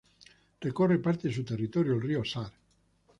Recorre parte de su territorio el río Sar.